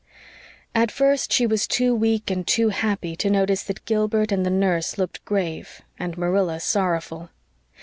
At first she was too weak and too happy to notice that Gilbert and the nurse looked grave and Marilla sorrowful.